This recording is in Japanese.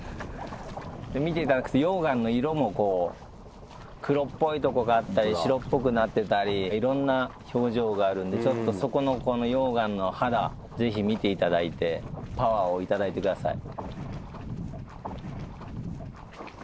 見ていただくと溶岩の色も黒っぽいとこがあったり白っぽくなってたりいろんな表情があるんでそこのこの溶岩の肌ぜひ見ていただいてパワーを頂いてください。